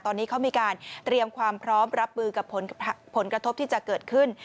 ตอนนี้เขามีการเตรียมความพร้อมรับมือกับผลกระทบที่จะเกิดขึ้น